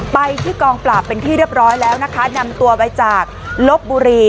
ไปที่กองปราบเป็นที่เรียบร้อยแล้วนะคะนำตัวไปจากลบบุรี